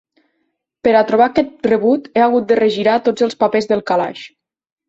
Per a trobar aquest rebut he hagut de regirar tots els papers del calaix.